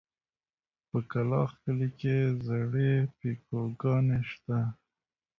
په کلاخ کلي کې زړې پيکوگانې شته.